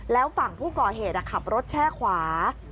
แล้วฝั่งผู้ก่อเหตุขับรถแช่ขวา